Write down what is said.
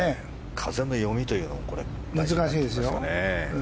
風の読みというのも難しいですよね。